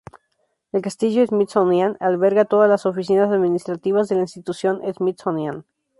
El Castillo Smithsonian alberga todas las oficinas administrativas de la Institución Smithsonian.